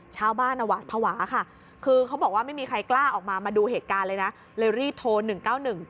ชาวบ้านเขาบอกว่าได้ยินเลย